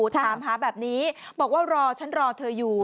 ถามหาแบบนี้บอกว่ารอฉันรอเธออยู่